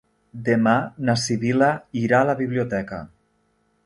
Demà na Sibil·la irà a la biblioteca.